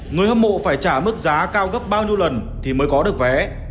người hâm mộ phải trả mức giá cao gấp bao nhiêu lần thì mới có được vé